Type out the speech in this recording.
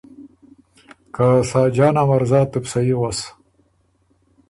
که ”ساجانا مرزا تُو بو صحیح غؤس